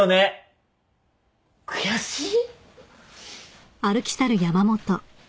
悔しい。